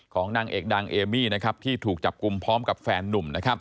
นางเอกดังเอมี่ที่ถูกจับกลุ่มพร้อมกับแฟนนุ่ม